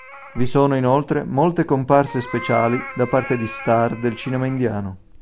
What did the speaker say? Vi sono inoltre molte comparse speciali da parte di star del cinema indiano.